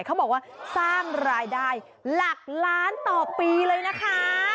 เขาบอกว่าสร้างรายได้หลักล้านต่อปีเลยนะคะ